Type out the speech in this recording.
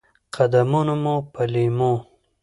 قدمونه مو په لېمو،